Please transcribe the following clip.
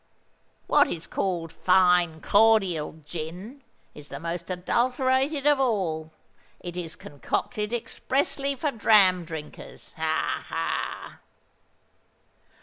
What is called Fine Cordial Gin is the most adulterated of all: it is concocted expressly for dram drinkers—ha! ha!"